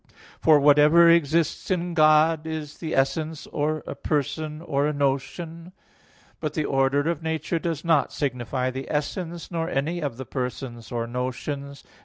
For whatever exists in God is the essence, or a person, or a notion. But the order of nature does not signify the essence, nor any of the persons, or notions.